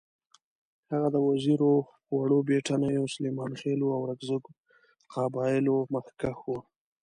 هغه د وزیرو، وړو بېټنیو، سلیمانخېلو او اورکزو قبایلو مخکښ وو.